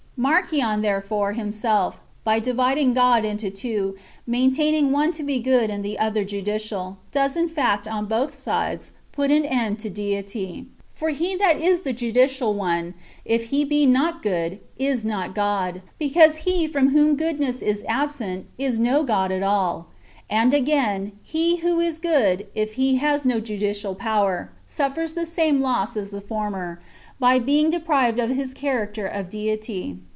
Marcion, therefore, himself, by dividing God into two, maintaining one to be good and the other judicial, does in fact, on both sides, put an end to deity. For he that is the judicial one, if he be not good, is not God, because he from whom goodness is absent is no God at all ; and again, he who is good, if he has no judicial power, suffers the same [loss] as the former, by being deprived of his character of deity.